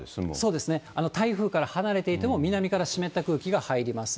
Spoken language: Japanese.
そうですね、台風から離れていても南から湿った空気が入ります。